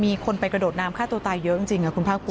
มีคนไปกระโดดน้ำฆ่าตัวตายเยอะจริงคุณภาคภูมิ